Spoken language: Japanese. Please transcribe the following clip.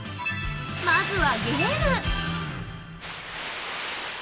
まずはゲーム！